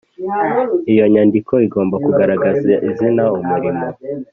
Iyo nyandiko igomba kugaragaza izina umurimo